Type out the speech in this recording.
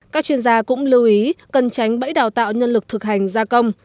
các chuyên gia cũng lưu ý cần tránh bẫy đào tạo nhân lực thực hành gia công